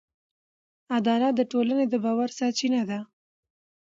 عدالت د ټولنې د باور سرچینه ده.